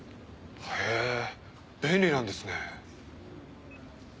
へぇ便利なんですね。